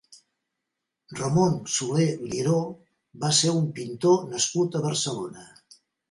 Ramón Soler Liró va ser un pintor nascut a Barcelona.